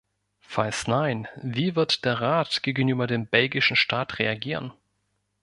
Falls nein, wie wird der Rat gegenüber dem belgischen Staat reagieren?